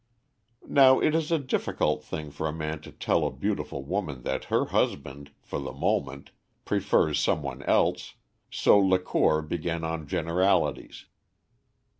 Now, it is a difficult thing for a man to tell a beautiful woman that her husband for the moment prefers some one else, so Lacour began on generalities.